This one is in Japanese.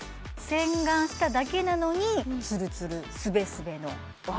洗顔しただけなのにツルツルスベスベのお肌